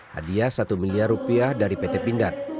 hadiah satu miliar rupiah dari pt pindad